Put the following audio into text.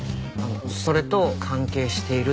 それと関係しているって事？